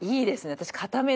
私。